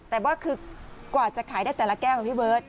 แต่ว่าคือกว่าจะขายได้แต่ละแก้วพี่เบิร์ต